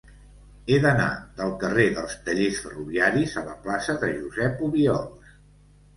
He d'anar del carrer dels Tallers Ferroviaris a la plaça de Josep Obiols.